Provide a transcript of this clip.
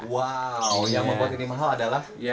wow yang membuat ini mahal adalah